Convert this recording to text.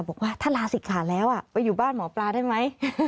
บอกว่าถ้าลาศิกขาแล้วไปอยู่บ้านหมอปลาได้ไหม